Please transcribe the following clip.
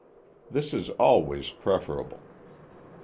This is always preferable.